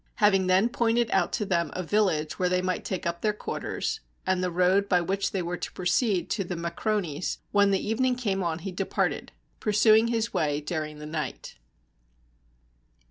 Having then pointed out to them a village where they might take up their quarters, and the road by which they were to proceed to the ]\Iacrones, when the evening came on he departed, pursuing his way during the night.